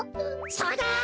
そうだ！